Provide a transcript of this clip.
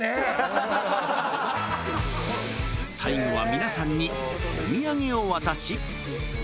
［最後は皆さんにお土産を渡し］